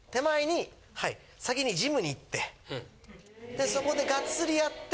でそこでがっつりやって。